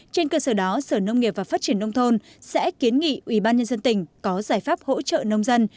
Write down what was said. trên cơ sở đó sở nông nghiệp và phát triển nông thôn sẽ kiến nghị ubnd tỉnh có giải pháp hỗ trợ nông dân